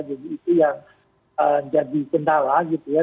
jadi itu yang jadi kendala gitu ya